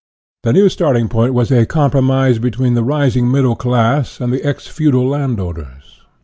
The new starting point was a compromise be tween the rising middle class and the ex feudal landowners.